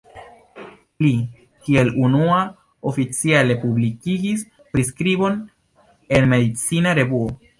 Li kiel unua oficiale publikigis priskribon en medicina revuo.